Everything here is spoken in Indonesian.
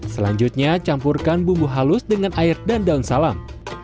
selanjutnya campurkan bumbu halus dengan air dan daun salam